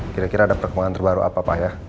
kira kira ada perkembangan terbaru apa pak ya